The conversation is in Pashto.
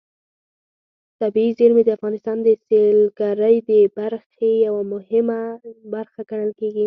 طبیعي زیرمې د افغانستان د سیلګرۍ د برخې یوه ډېره مهمه برخه ګڼل کېږي.